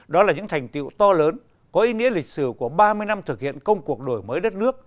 đó là những thành tiệu to lớn có ý nghĩa lịch sử của ba mươi năm thực hiện công cuộc đổi mới đất nước